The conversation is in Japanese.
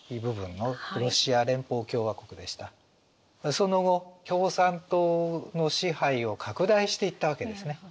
その後共産党の支配を拡大していったわけですね。